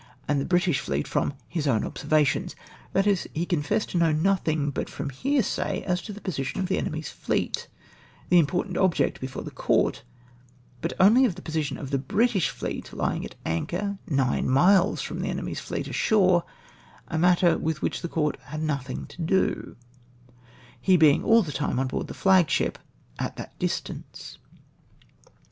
and the British fleet from " his oion observations.'" That is, he confessed to know nothing but from hearsay as to the position of the enemy's fleet, the important object before the court ; but only of the position of the British fleet, lying at anchor nine miles fi'om the enemy's fleet ashore, a matter "with which the court had nothino to do : he being all the time on board the flagship, at that distance.